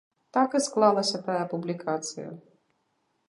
Так і склалася тая публікацыя.